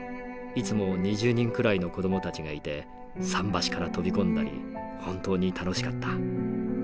いつも２０人くらいの子どもたちがいて桟橋から飛び込んだり本当に楽しかった。